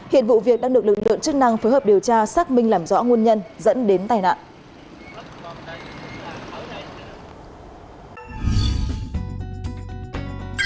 hiện vụ việc đang được lực lượng chức năng phối hợp điều tra xác minh làm rõ nguồn nhân dẫn đến tai nạn